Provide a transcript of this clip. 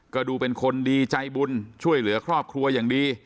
ก็ดูเป็นคนดีใจบุญช่วยเหลือครอบครัวอย่างดี